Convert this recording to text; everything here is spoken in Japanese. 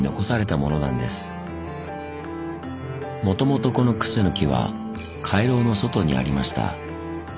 もともとこのクスノキは回廊の外にありました。